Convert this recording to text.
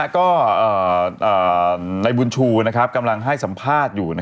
ก่อนเป็นพ่อฝันก็ในบุญชูกำลังให้สัมภาษณ์อยู่